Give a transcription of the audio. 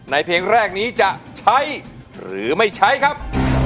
เพลงแรกนี้จะใช้หรือไม่ใช้ครับ